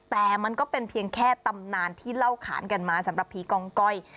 แต่มันก็เป็นเพียงแค่ตำนานที่เล่าขานกันมาสำหรับผีกองก้อย